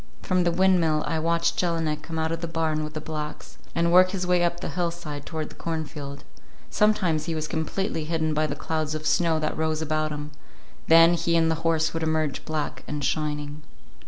From the windmill I watched Jelinek come out of the barn with the blacks, and work his way up the hillside toward the cornfield. Sometimes he was completely hidden by the clouds of snow that rose about him; then he and the horses would emerge black and shining.